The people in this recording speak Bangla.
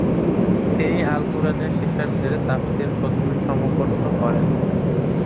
তিনি আল কুরআনের শেষার্ধের তাফসির প্রথমে সমপন্ন করেন ।